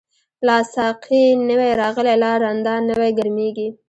لاسا قی نوی راغلی، لا رندان نوی ګرمیږی